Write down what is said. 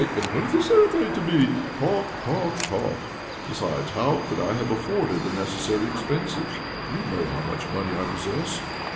And when is the ceremony to be ?' Talk, talk, talk ! Besides, how could I have afforded the necessary expenses? You know how much money I possess.